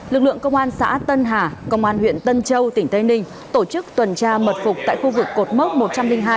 lực lượng công an xã tân hà công an huyện tân châu tỉnh tây ninh tổ chức tuần tra mật phục tại khu vực cột mốc một trăm linh hai